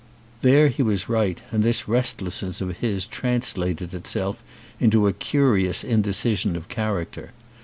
There he was right and this restlessness of his translated itself into a curious indecision of char acter.